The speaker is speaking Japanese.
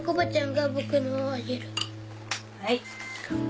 はい。